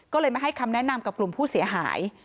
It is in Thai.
ก็เลยมาให้คำแนะนำกับกลุ่มผู้เสียหาย